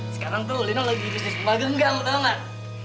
sekarang tuh lino lagi bisnis kepala genggam tau gak